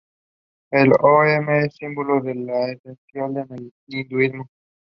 Some gemstones were found here.